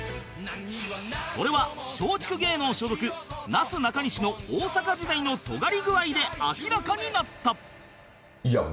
それは松竹芸能所属なすなかにしの大阪時代のとがり具合で明らかになった